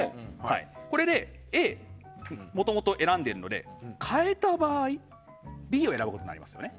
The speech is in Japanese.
これでＡ、もともと選んでるので変えた場合Ｂを選ぶことになりますよね。